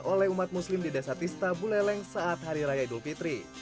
oleh umat muslim di desa tista buleleng saat hari raya idul fitri